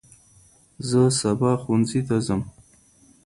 زه سباه ښوونځي ته ځم.